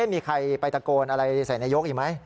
มีใครไปตะโกนอะไรใส่นายกอีกไหม